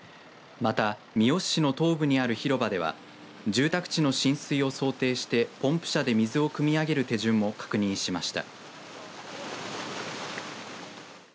また三次市の東部にある広場では住宅地の浸水を想定してポンプ車で水をくみ上げる手順も確認しました。